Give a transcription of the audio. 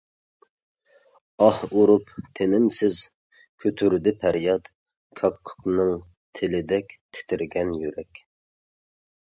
ئاھ ئۇرۇپ تىنىمسىز كۆتۈردى پەرياد كاككۇكنىڭ تىلىدەك تىترىگەن يۈرەك.